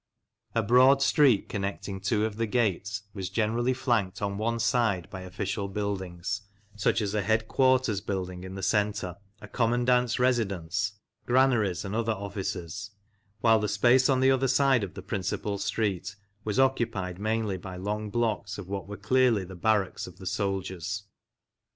A broad street connecting two of the gates was generally flanked on one side by official buildings, such as a headquarters building in the centre, a commandant's residence, granaries, and other offices; while the space on the other side of the principal street was occupied mainly by long blocks of what were clearly the barracks of the soldiers.